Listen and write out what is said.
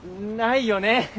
ないよね。